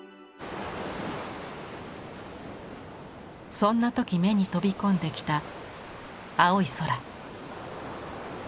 そんな時目に飛び込んできた青い空。